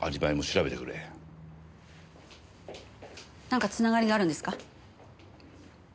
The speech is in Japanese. なんか繋がりがあるんですか？